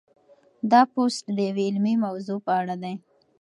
دا پوسټ د یوې علمي موضوع په اړه دی.